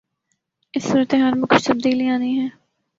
اس صورتحال میں کچھ تبدیلی آنی ہے۔